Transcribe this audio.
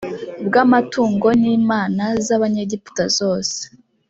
bw amatungo n imana z abanyegiputa zose